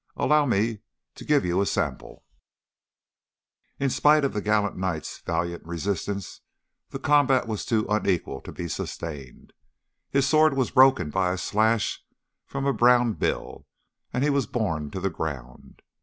Allow me to give you a sample: "In spite of the gallant knight's valiant resistance the combat was too unequal to be sustained. His sword was broken by a slash from a brown bill, and he was borne to the ground.